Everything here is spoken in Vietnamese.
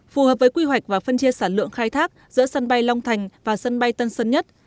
phù hợp với quy hoạch và phân chia sản lượng khai thác giữa sân bay long thành và sân bay tân sơn nhất